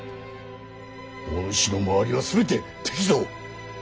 お主の周りは全て敵ぞ。